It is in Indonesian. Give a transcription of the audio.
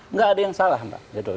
nggak ada yang salah mbak